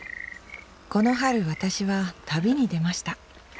この春私は旅に出ました。